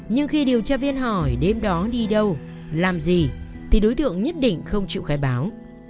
nhưng khi điều tra viên hỏi đêm đó đi đâu làm gì thì đối tượng nhất định không chịu khai báo